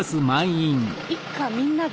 一家みんなで。